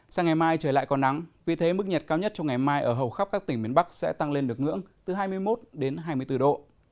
sáng ngày mai trời lại còn nắng vì thế mức nhiệt cao nhất trong ngày mai ở hầu khắp các tỉnh miền bắc sẽ tăng lên được ngưỡng từ hai mươi một đến hai mươi bốn độ